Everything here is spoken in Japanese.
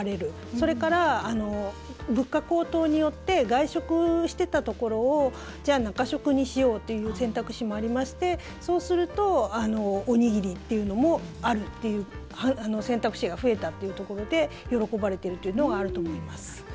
それから、物価高騰によって外食していたところをじゃあ、中食にしようという選択肢もありましてそうすると、おにぎりっていうのもあるっていう選択肢が増えたっていうところで喜ばれているというのがあると思います。